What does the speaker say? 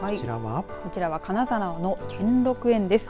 こちらは金沢の兼六園です。